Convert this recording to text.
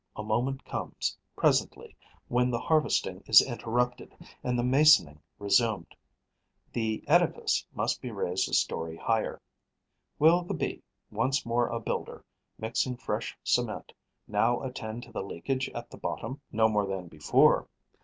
A moment comes, presently, when the harvesting is interrupted and the masoning resumed. The edifice must be raised a storey higher. Will the Bee, once more a builder, mixing fresh cement, now attend to the leakage at the bottom? No more than before.